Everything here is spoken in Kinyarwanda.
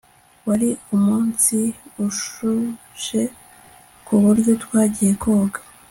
wari umunsi ushushe kuburyo twagiye koga